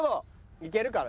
いけるかな？